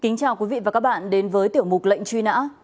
xin chào quý vị và các bạn đến với tiểu mục lệnh truy nã